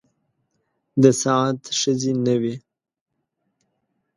د سعد ښځې نه وې.